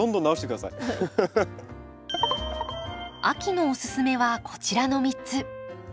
秋のおすすめはこちらの３つ。